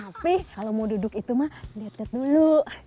tapi kalau mau duduk itu mah liat liat dulu